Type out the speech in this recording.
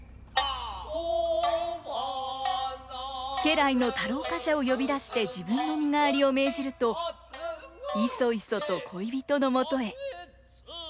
家来の太郎冠者を呼び出して自分の身代わりを命じるといそいそと恋人のもとへ。